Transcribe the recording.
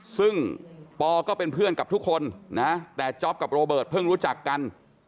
ซึ่งปอก็เป็นเพื่อนกับทุกคนนะแต่จ๊อปกับโรเบิร์ตเพิ่งรู้จักกัน